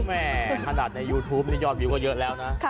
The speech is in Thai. แม่ขนาดในยูทูปนี่ยอดวิวก็เยอะแล้วนะ